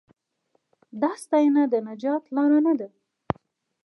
دا ستاینه د نجات لار نه ده.